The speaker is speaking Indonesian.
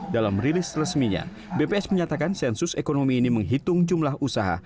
dalam rilis resminya bps menyatakan sensus ekonomi ini menghitung jumlah usaha